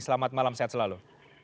selamat malam sehat selalu